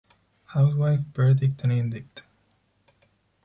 Housewife, verdict and indict!